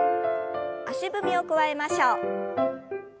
足踏みを加えましょう。